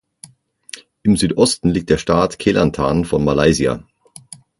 Im Südosten liegt der Staat Kelantan von Malaysia.